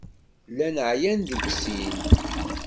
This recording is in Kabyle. Llan ɛyan deg sin.